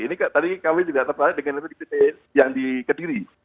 ini tadi kami juga tertarik dengan yang di kediri